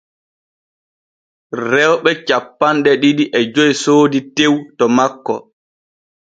Rewɓe cappanɗe ɗiɗi e joy soodi tew to makko.